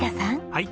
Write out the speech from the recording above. はい。